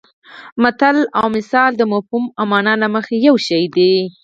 متل او مثل د مفهوم او مانا له مخې یو شی دي